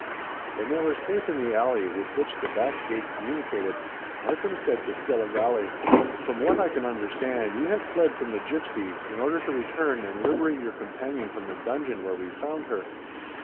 When they were safe in the alley with which the back gate communicated, Markham said to Skilligalee, "From what I can understand, you have fled from the gipsies in order to return and liberate your companion from the dungeon where we found her."